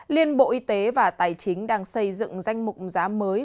liên bộ y tế và tài chính đang xây dựng danh mục giá mới